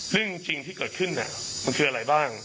เรื่องจริงที่เกิดขึ้นมันคืออะไรบ้าง